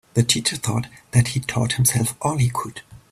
The teacher thought that he'd taught himself all he could.